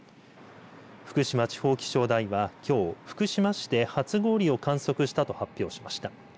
福島地方気象台はきょう福島市で初氷を観測したと発表しました。